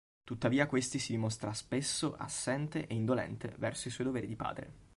Tuttavia questi si dimostra spesso assente e indolente verso i suoi doveri di padre.